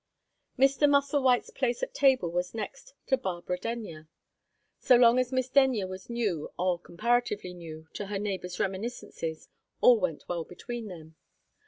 Mr. Musselwhite's place at table was next to Barbara Denyer. So long as Miss Denyer was new, or comparatively new, to her neighbour's reminiscences, all went well between them.